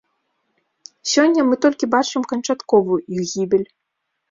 Сёння мы толькі бачым канчатковую іх гібель.